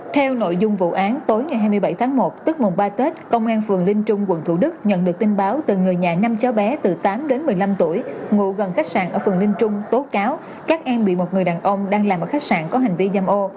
theo nội dung vụ án tối ngày hai mươi bảy tháng một tức mùng ba tết công an phường linh trung quận thủ đức nhận được tin báo từ người nhà năm cháu bé từ tám đến một mươi năm tuổi ngụ gần khách sạn ở phường linh trung tố cáo các em bị một người đàn ông đang làm ở khách sạn có hành vi dâm ô